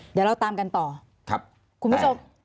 เดี๋ยวเราตามกันต่อคุณผู้ชม